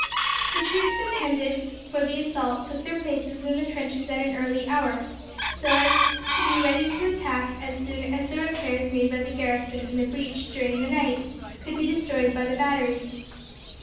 The troops intended for the assault took their places in the trenches at an early hour, so as to be ready to attack as soon as the repairs made by the garrison in the breach during the night could be destroyed by the batteries.